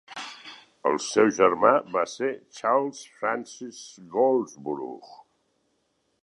El seu germà va ser Charles Frances Goldsborough.